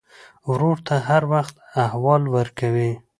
ورور ته هر وخت احوال ورکوې.